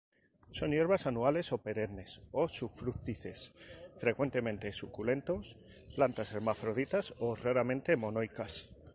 Son hierbas anuales o perennes o sufrútices, frecuentemente suculentos; plantas hermafroditas o raramente monoicas.